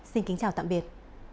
xin kính chào tạm biệt